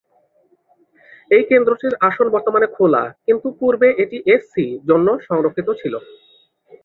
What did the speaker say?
এই কেন্দ্রটির আসন বর্তমানে খোলা কিন্তু পূর্বে এটি এসসি জন্য সংরক্ষিত ছিল।